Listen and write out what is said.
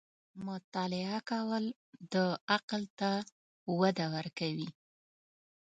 • مطالعه کول، د عقل ته وده ورکوي.